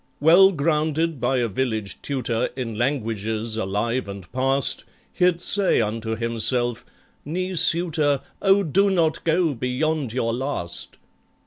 Well grounded by a village tutor In languages alive and past, He'd say unto himself, "Knee suitor, Oh, do not go beyond your last!"